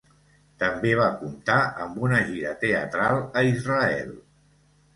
També va comptar amb una gira teatral a Israel.